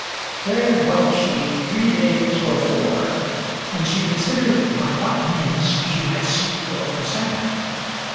There dwelt she three days or four. And she considered by what means she might seek for Aucassin.